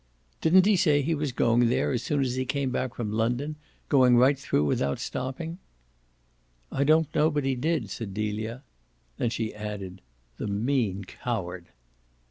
"Didn't he say he was going there as soon as he came back from London going right through without stopping?" "I don't know but he did," said Delia. Then she added: "The mean coward!"